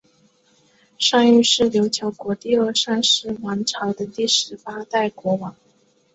尚育是琉球国第二尚氏王朝的第十八代国王。